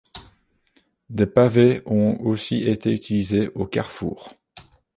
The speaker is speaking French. Des pavés ont aussi été utilisés aux carrefours.